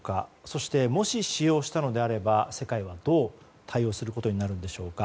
そして、もし使用したのであれば世界はどう対応することになるんでしょうか。